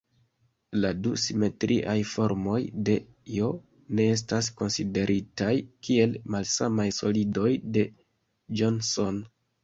La du simetriaj formoj de "J" ne estas konsideritaj kiel malsamaj solidoj de Johnson.